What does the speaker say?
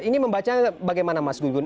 ini membacanya bagaimana mas gun gun